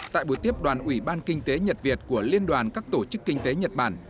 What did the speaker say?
tại buổi tiếp đoàn ủy ban kinh tế nhật việt của liên đoàn các tổ chức kinh tế nhật bản